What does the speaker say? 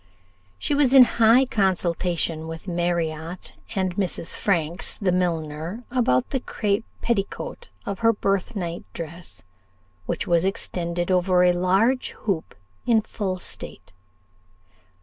She was in high consultation with Marriott and Mrs. Franks, the milliner, about the crape petticoat of her birthnight dress, which was extended over a large hoop in full state.